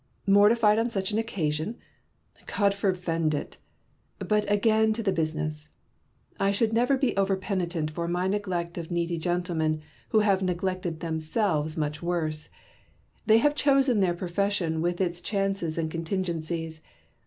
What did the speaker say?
Mortified on such an occasion 1 God foref end it ! But again to the business. — I should never be over penitent for my neglect of needy gentlemen who have neglected themselves much 128 n/A GINAR V CON VERSA TIONS. worse. They have chosen their profession with its chances and contingencies.